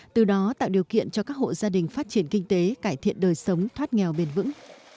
từ đó tạo điều kiện cho các hộ gia đình phát triển kinh tế cải thiện đời sống thoát nghèo bền vững